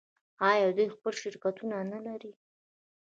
آیا دوی خپل شرکتونه نلري؟